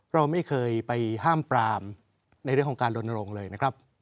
เราไม่เคยไปห้ามปรามในเรื่องของการลนลงเลยนะครับ